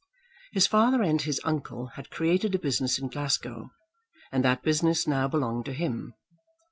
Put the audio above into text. His father and his uncle had created a business in Glasgow, and that business now belonged to him.